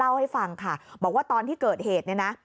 เล่าให้ฟังค่ะบอกว่าตอนที่เกิดเหตุเนี่ยนะ